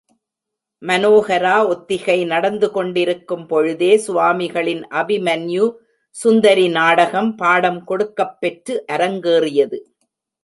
மனோஹரா ஒத்திகை நடந்துகொண்டிருக்கும் பொழுதே சுவாமிகளின் அபிமன்யு சுந்தரி நாடகம் பாடம் கொடுக்கப் பெற்று அரங்கேறியது.